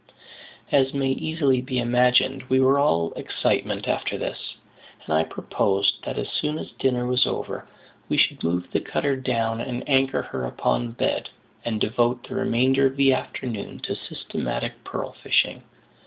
As may easily be imagined, we were all excitement after this; and I proposed that, as soon as dinner was over, we should move the cutter down and anchor her upon the bed, and devote the remainder of the afternoon to systematic pearl fishing.